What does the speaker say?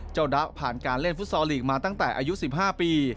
ดะผ่านการเล่นฟุตซอลลีกมาตั้งแต่อายุ๑๕ปี